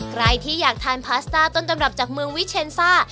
ใครที่อยากทานพาสต้าต้นตำรับจากเมืองวิเชนซ่า